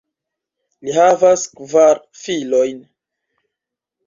Li havas kvar filojn.